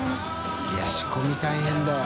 い筺舛仕込み大変だよ。